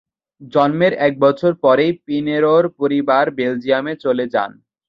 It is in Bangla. জন্মের একবছর পরই পিনেরা’র পরিবার বেলজিয়ামে চলে যান।